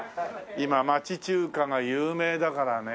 今町中華が有名だからね。